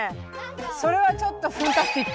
それはちょっと墳タスティック。